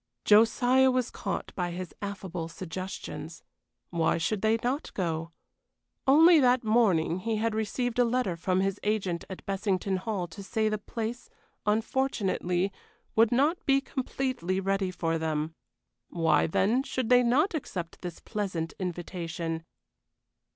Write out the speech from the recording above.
Josiah was caught by his affable suggestions. Why should they not go? Only that morning he had received a letter from his agent at Bessington Hall to say the place, unfortunately, would not be completely ready for them. Why, then, should they not accept this pleasant invitation?